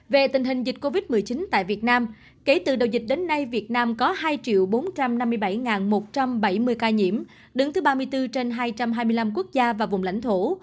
về tình hình dịch covid một mươi chín tại việt nam kể từ đầu dịch đến nay việt nam có hai bốn trăm năm mươi bảy một trăm bảy mươi ca nhiễm đứng thứ ba mươi bốn trên hai trăm hai mươi năm quốc gia và vùng lãnh thổ